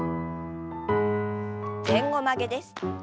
前後曲げです。